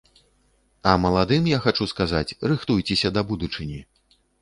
А маладым я хачу сказаць, рыхтуйцеся да будучыні.